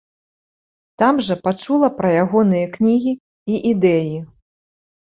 Там жа пачула пра ягоныя кнігі і ідэі.